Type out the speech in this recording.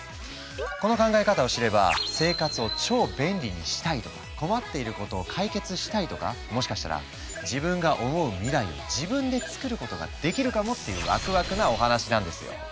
この考え方を知れば生活を超便利にしたいとか困っていることを解決したいとかもしかしたら自分が思う未来を自分でつくることができるかもっていうワクワクなお話なんですよ。